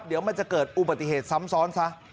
เดี๋ยวมันจะเกิดอุบัติเหตุซ้ำซ้อนซะ